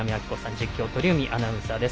実況、鳥海アナウンサーです。